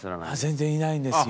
全然いないんですよ。